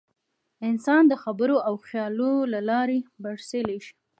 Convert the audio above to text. انسان د خبرو او خیال له لارې برلاسی شو.